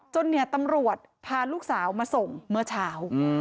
เนี่ยตำรวจพาลูกสาวมาส่งเมื่อเช้า